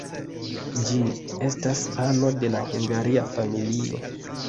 Ĝi estas ano de la Hungaria familio.